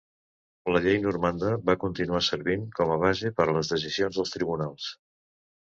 La llei normanda va continuar servint com a base per a les decisions dels tribunals.